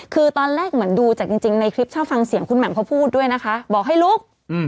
คือตอนแรกเหมือนดูจากจริงในคลิปชอบฟังเสียงคุณแหม่มเขาพูดด้วยนะคะบอกให้ลุก